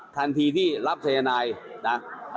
ทันทีที่รับสัญญาณายน์นะ